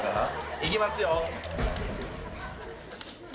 いきますよ。